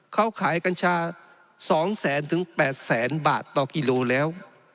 เขาขายกัญชา๒แสนถึง๘แสนบาทต่อกิโลแล้ว